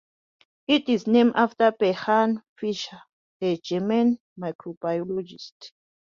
It is named after Bernhard Fischer, a German microbiologist.